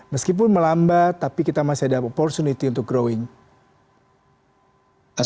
meskipun melambat tapi kita masih ada kesempatan untuk mengembang